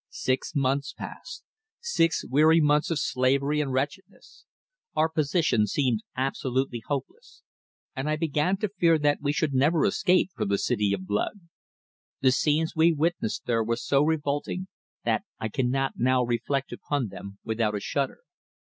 Six months passed; six weary months of slavery and wretchedness. Our position seemed absolutely hopeless, and I began to fear that we should never escape from the City of Blood. The scenes we witnessed there were so revolting, that I cannot now reflect upon them without a shudder.